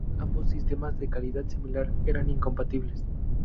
Ambos sistemas, de calidad similar, eran incompatibles.